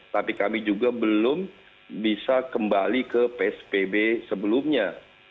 tapi kami juga belum bisa kembali ke psbb sebelumnya